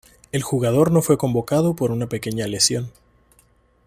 El jugador no fue convocado por una pequeña lesión.